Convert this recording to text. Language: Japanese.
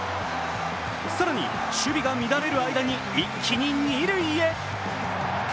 更に、守備が乱れる間に一気に二塁へ。